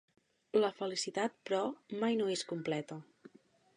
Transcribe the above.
La felicitat, però, mai no és completa.